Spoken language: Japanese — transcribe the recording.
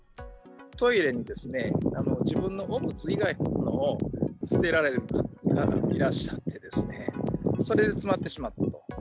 トイレに自分の汚物以外のものを捨てられた方がいらっしゃって、それで詰まってしまったと。